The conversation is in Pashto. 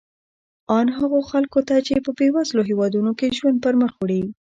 ان هغو خلکو ته چې په بېوزلو هېوادونو کې ژوند پرمخ وړي.